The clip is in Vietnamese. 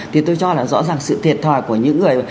thì tôi cho là rõ ràng sự thiệt thòi của những người